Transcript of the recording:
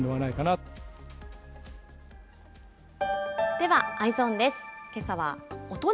ではＥｙｅｓｏｎです。